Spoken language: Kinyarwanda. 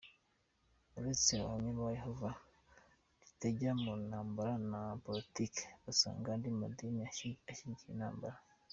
Uretse abahamya ba Yehova ritajya mu ntambara na politike, usanga andi madini ashyigikira intambara.